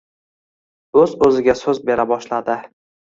o‘z-o‘ziga so‘z bera boshladi.